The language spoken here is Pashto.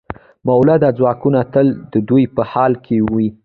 مؤلده ځواکونه تل د ودې په حال کې وي.